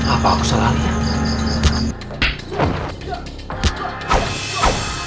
apa aku salah lihat